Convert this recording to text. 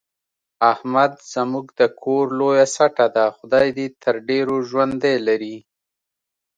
احمد زموږ د کور لویه سټه ده، خدای دې تر ډېرو ژوندی لري.